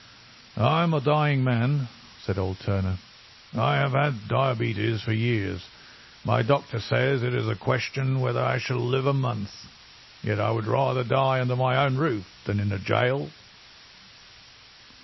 "I am a dying man," said old Turner. "I have had diabetes for years. My doctor says it is a question whether I shall live a month. Yet I would rather die under my own roof than in a gaol."